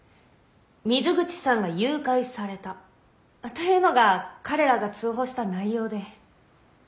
「水口さんが誘拐された」というのが彼らが通報した内容で。